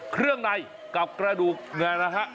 เครื่องในกับกระดูกไงนะฮะ